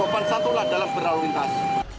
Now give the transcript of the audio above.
jawaban satulah dalam berlalu lintas